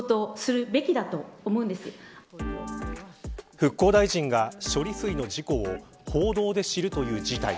復興大臣が、処理水の事故を報道で知るという事態